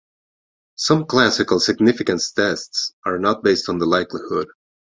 Some classical significance tests are not based on the likelihood.